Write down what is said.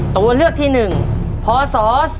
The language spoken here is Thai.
ตัวเลือกที่๑พศ๒๕๖